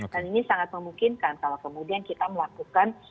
dan ini sangat memungkinkan kalau kemudian kita melakukan